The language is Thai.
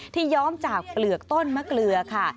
ย้อมจากเปลือกต้นมะเกลือค่ะ